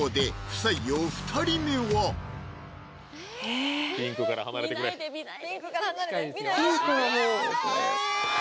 不採用２人目はピンクから離れてくれあぁ！